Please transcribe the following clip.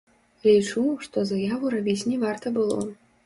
Лічу, што заяву рабіць не варта было.